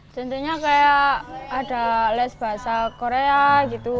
contohnya kayak ada les bahasa korea gitu